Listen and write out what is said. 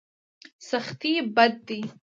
سختي بد دی.